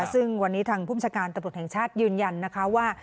ซึ่งวันนี้ทางภูมิชาการตำรวจแห่งชาติยืนยันนะคะว่า